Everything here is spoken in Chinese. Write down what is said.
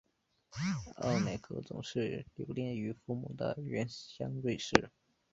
奥乃格总是留恋于父母的原乡瑞士。